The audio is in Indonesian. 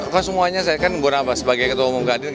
kan semuanya kan gue nampak sebagai ketua umum kadir